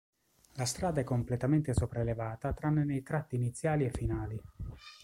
La strada è completamente sopraelevata tranne nei tratti iniziali e finali.